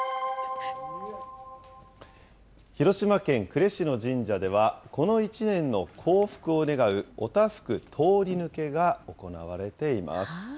広島県呉市の神社では、この１年の幸福を願うお多福通り抜けが行われています。